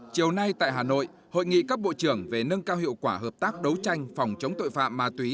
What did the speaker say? chiều nay tại hà nội hội nghị các bộ trưởng về nâng cao hiệu quả hợp tác đấu tranh phòng chống tội phạm ma túy